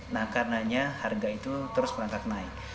nah karenanya harga itu terus merangkak naik